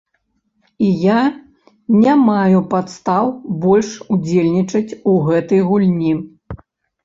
І я не маю падстаў больш удзельнічаць у гэтай гульні.